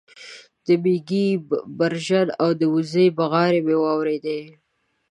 د مېږې برژن او د وزې بغارې مې واورېدې